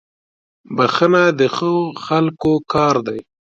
• بښنه د ښو خلکو کار دی.